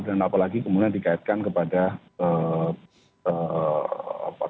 dan apalagi kemudian dikaitkan dengan ya itu